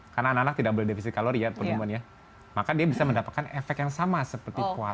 karena anak anak tidak berdeficit kalori ya penyumbangnya maka dia bisa mendapatkan efek yang sama seperti puasa